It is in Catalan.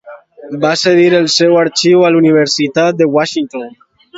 Va cedir el seu arxiu a la Universitat de Washington.